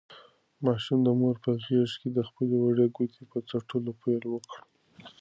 ماشوم د مور په غېږ کې د خپلې وړې ګوتې په څټلو پیل وکړ.